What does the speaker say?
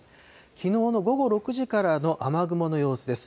きのうの午後６時からの雨雲の様子です。